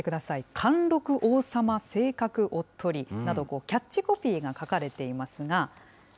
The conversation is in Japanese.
貫禄王様、性格おっとりなど、キャッチコピーが書かれていますが。